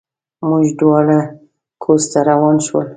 موږ دواړه کورس ته روان شولو.